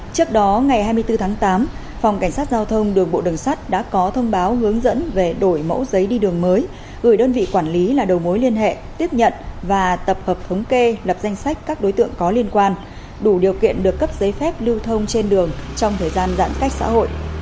trước đó ngày hai mươi bốn tháng tám phòng cảnh sát giao thông đường bộ đường sắt đã có thông báo hướng dẫn về đổi mẫu giấy đi đường mới gửi đơn vị quản lý là đầu mối liên hệ tiếp nhận và tập hợp thống kê lập danh sách các đối tượng có liên quan đủ điều kiện được cấp giấy phép lưu thông trên đường trong thời gian giãn cách xã hội